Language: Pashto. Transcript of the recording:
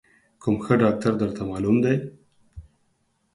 کوم ښه ډاکتر درته معلوم دی؟